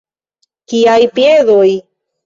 Kiaj piedoj?